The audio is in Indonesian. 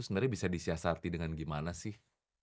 sebenarnya bisa disiasati dengan gimana sih